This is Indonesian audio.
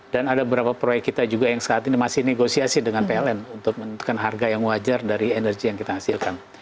dan ada beberapa proyek kita juga yang saat ini masih negosiasi dengan pln untuk menentukan harga yang wajar dari energi yang kita hasilkan